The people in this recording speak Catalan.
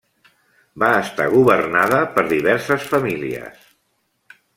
Va estar governada per diverses famílies.